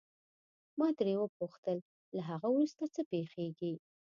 ما ترې وپوښتل له هغه وروسته څه پېښیږي.